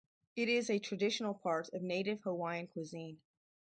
It is a traditional part of Native Hawaiian cuisine.